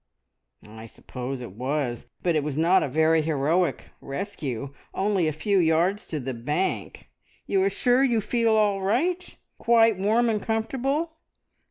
"I suppose it was, but it was not a very heroic rescue only a few yards to the bank. You are sure you feel all right? Quite warm and comfortable?